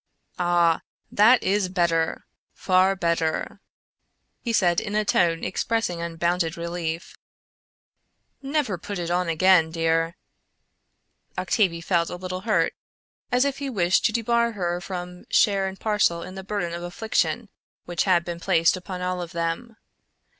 "Ah! that is better; far better!" he said in a tone expressing unbounded relief. "Never put it on again, dear." Octavie felt a little hurt; as if he wished to debar her from share and parcel in the burden of affliction which had been placed upon all of them.